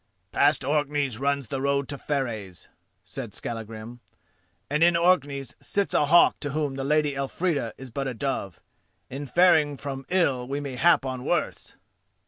"Past Orkneys runs the road to Fareys," said Skallagrim, "and in Orkneys sits a hawk to whom the Lady Elfrida is but a dove. In faring from ill we may hap on worse."